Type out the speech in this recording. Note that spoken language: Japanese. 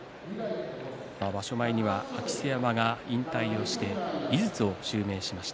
場所前には明瀬山が引退をして井筒を襲名しました。